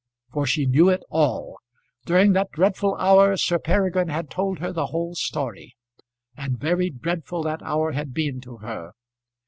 For she knew it all. During that dreadful hour Sir Peregrine had told her the whole story; and very dreadful that hour had been to her.